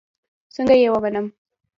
څنگه يې ومنم.